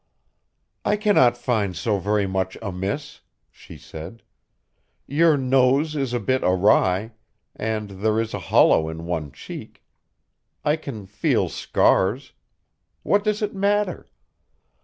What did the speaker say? "I cannot find so very much amiss," she said. "Your nose is a bit awry, and there is a hollow in one cheek. I can feel scars. What does it matter?